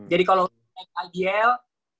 jadi kalau main ibl